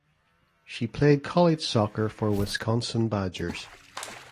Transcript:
She played college soccer for the Wisconsin Badgers.